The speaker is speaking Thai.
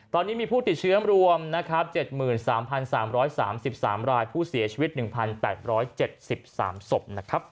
ตอนนี้มีผู้ติดเชื้อรวม๗๓๓๓๓รายผู้เสียชีวิต๑๘๗๓สม